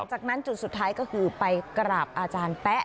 และจากนั้นสุดท้ายไปกราบอาจารย์แป๊ะ